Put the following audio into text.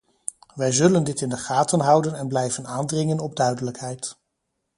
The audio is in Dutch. Wij zullen dit in de gaten houden en blijven aandringen op duidelijkheid.